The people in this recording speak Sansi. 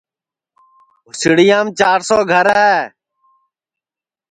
ہُوسڑیام چِار سو گھر ہے